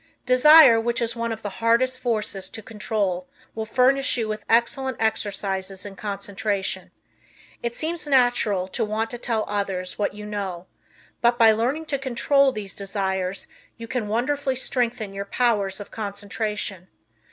Desire, which is one of the hardest forces to control, will furnish you with excellent exercises in concentration. It seems natural to want to tell others what you know; but, by learning to control these desires, you can wonderfully strengthen your powers of concentration.